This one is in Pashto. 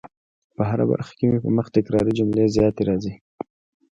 په هره برخه کي مي په مخ تکراري جملې زیاتې راځي